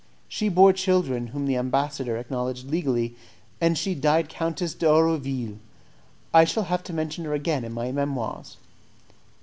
She bore children whom the ambassador acknowledged legally, and she died Countess d'Erouville. I shall have to mention her again in my Memoirs.